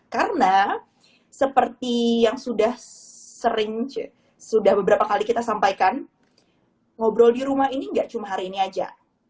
karena seperti yang sudah sering sudah beberapa kali kita sampaikan ngobrol di rumah ini enggak cuma hari ini aja